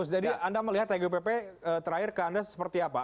jadi anda melihat tgpp terakhir ke anda seperti apa